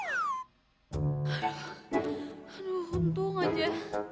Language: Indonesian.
aduh untung aja